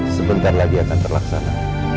sebentar lagi akan terlaksana